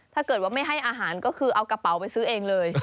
ถ้าเกิดว่าไม่ให้อาหารก็คือเอากระเป๋าไปซื้อเองเลย